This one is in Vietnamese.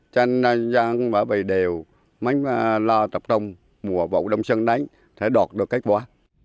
cho nên bà bì đều lo tập trung mùa vụ đông sân đấy để đọt được kết quả